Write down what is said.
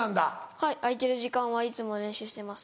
はい空いてる時間はいつも練習してます。